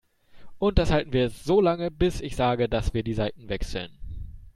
Und das halten wir jetzt so lange, bis ich sage, dass wir die Seiten wechseln.